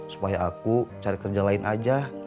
supaya aku cari kerja lain aja